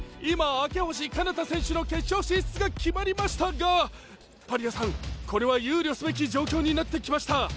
明星かなた選手の決勝進出が決まりましたがパリアさんこれは憂慮すべき状況になってきました。